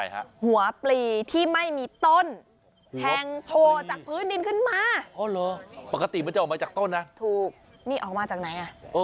หัวปลีที่ไม่มีต้นแทนโผล่เผาขึ้นมาที่ปกติจะออกมาจากต้นนะอ่ะนี่ออกมาจากไหน